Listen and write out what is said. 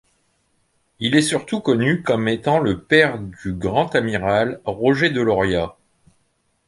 Il est surtout connu comme étant le père du grand amiral Roger de Lauria.